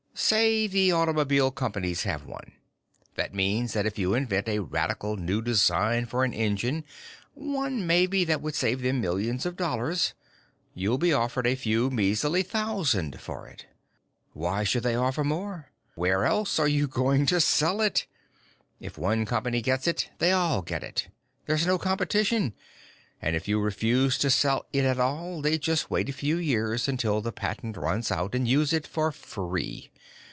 Say the automobile companies have one. That means that if you invent a radical new design for an engine one, maybe that would save them millions of dollars you'll be offered a few measly thousand for it. Why should they offer more? Where else are you going to sell it? If one company gets it, they all get it. There's no competition, and if you refuse to sell it at all, they just wait a few years until the patent runs out and use it for free.